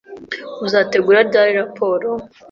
Uzategura ryari raporo?